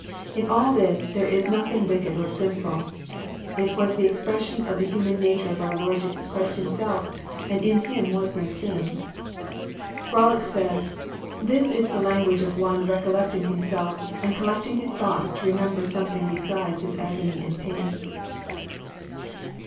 In all this there is nothing wicked or sinftil. It was the expression of the human nature of our Lord Jesus Christ Himself, and in Him was no sin. Rollock says :'* This is the language of one recollecting him self, and collecting his thoughts to remember something besides his agony and pain."